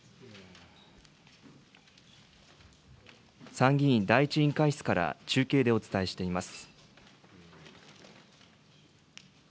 参議院第１委員会室から中継でお伝えしています。